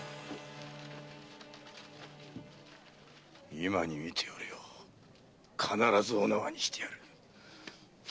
今に見てろよ必ずお縄にしてやる。